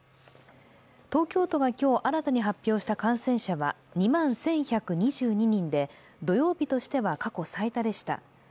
東京都が今日新たに発表した感染者は２万１１２２人で、土曜日としては過去最多でした。